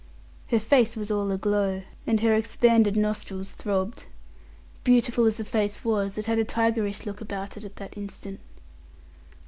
Her face was all aglow, and her expanded nostrils throbbed. Beautiful as the face was, it had a tigerish look about it at that moment.